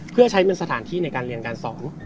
เพื่อใช้เป็นสถานที่ในการเรียนการสอน